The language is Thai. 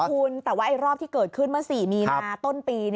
คุณแต่ว่ารอบที่เกิดขึ้นเมื่อ๔มีนาต้นปี